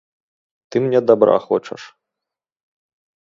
Ты мне дабра хочаш!